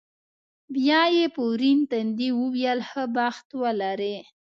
بیا یې په ورین تندي وویل، ښه بخت ولرې.